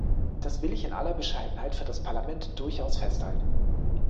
Das will ich in aller Bescheidenheit für das Parlament durchaus festhalten.